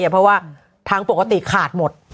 เพราะว่าทางปกติขาดหมด